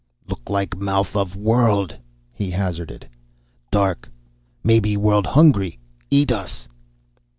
"Look like mouth of world," he hazarded. "Dark. Maybe world hungry eat us."